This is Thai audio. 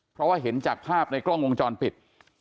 เพราะว่าเห็นจากภาพในกล้องวงจรปิด